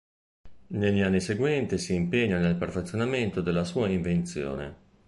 Negli anni seguenti si impegna nel perfezionamento della sua invenzione.